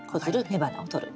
雌花をとる。